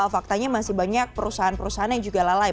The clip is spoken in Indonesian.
faktanya masih banyak perusahaan perusahaan yang juga lalai